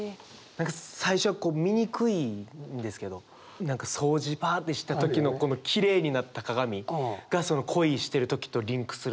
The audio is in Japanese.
何か最初こう見にくいんですけど何か掃除パッてした時のこのきれいになった鏡がその恋してる時とリンクするなと思って。